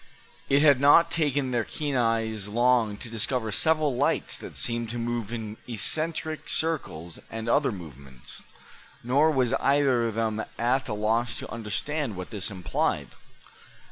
It had not taken their keen eyes long to discover several lights that seemed to move in eccentric circles and other movements. Nor was either of them at a loss to understand what this implied.